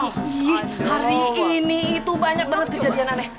hari ini itu banyak banget kejadian aneh